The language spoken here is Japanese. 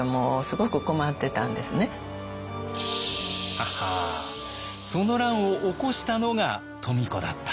ははあその乱を起こしたのが富子だった？